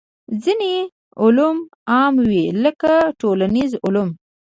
ځینې علوم عام وي لکه ټولنیز علوم.